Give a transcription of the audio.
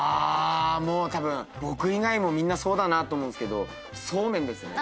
もうたぶん僕以外もみんなそうだなと思うんですけどそうめんですね。